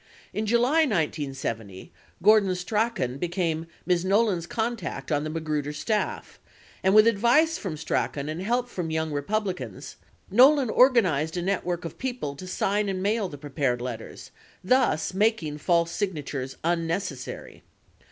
40 In July, 1970, Gordon Strachan became Ms. Nolan's contact on the Magruder staff, and with advice from Strachan and help from the Young Republicans, Nolan organized a network of people to sign and mail the prepared letters, thus making false signa tures unnecessary.